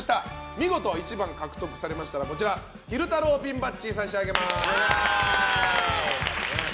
見事１番を獲得されましたらこちら、昼太郎ピンバッジ差し上げます。